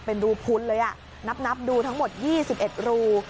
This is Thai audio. เป็นรูพุ้นเลยอ่ะนับนับดูทั้งหมดยี่สิบเอ็ดรู